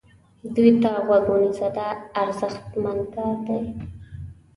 دوی ته غوږ ونیسه دا ارزښتمن کار دی.